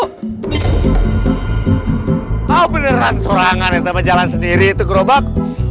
kau beneran sorangan yang menjalan sendiri itu gerobak